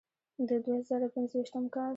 د دوه زره پنځويشتم کال